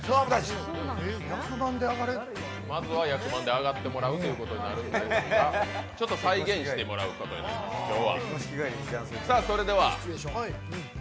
まずは役満であがってもらうことになるんですがちょっと再現してもらうことになります、今日は。